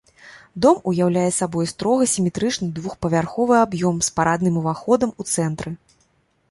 Дом уяўляе сабой строга сіметрычны двухпавярховы аб'ём з парадным уваходам у цэнтры.